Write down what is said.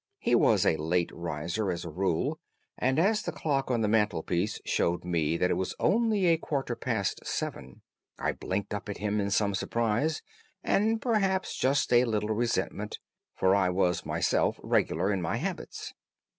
He was a late riser, as a rule, and as the clock on the mantelpiece showed me that it was only a quarter past seven, I blinked up at him in some surprise, and perhaps just a little resentment, for I was myself regular in my habits.